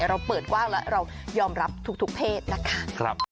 เราเปิดกว้างแล้วเรายอมรับทุกเพศนะคะ